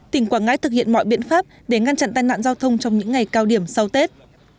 tỉnh quảng ngãi thực hiện mọi biện pháp để ngăn chặn tai nạn giao thông trong những ngày cao điểm sau tết